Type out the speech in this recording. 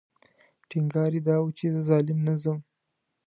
ټینګار یې دا و چې زه ظالم نه ځم.